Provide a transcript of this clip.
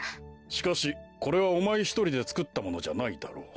しかしこれはおまえひとりでつくったものじゃないだろう。